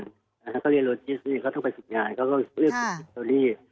อ่ะฮะเขาเรียนรถที่นี่เขาต้องไปฝึกงานเขาก็เรียนรถที่เจอรี่